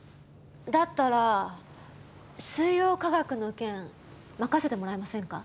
だったらスイヨウカガクの件任せてもらえませんか？